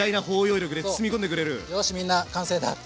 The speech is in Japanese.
よしみんな完成だって。